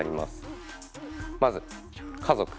まず「家族」